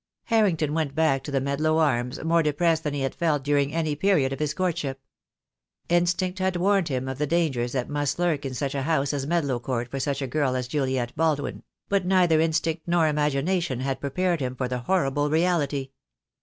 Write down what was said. Harrington went back to the "Medlow Arms" more depressed than he had felt during any period of his courtship. Instinct had warned him of the dangers that must lurk in such a house as Medlow Court for such a girl as Juliet Baldwin; but neither instinct nor imagina tion had prepared him for the horrible reality.